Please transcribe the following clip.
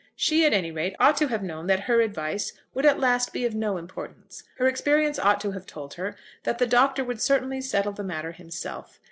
She, at any rate, ought to have known that her advice would at last be of no importance. Her experience ought to have told her that the Doctor would certainly settle the matter himself.